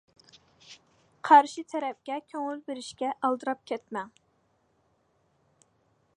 قارشى تەرەپكە كۆڭۈل بېرىشكە ئالدىراپ كەتمەڭ.